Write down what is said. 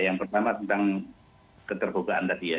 yang pertama tentang keterbukaan tadi ya